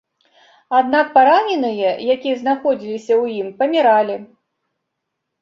Аднак параненыя, якія знаходзіліся ў ім, паміралі.